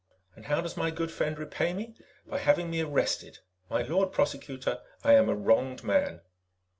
"And how does my good friend repay me? By having me arrested. My Lord Prosecutor, I am a wronged man."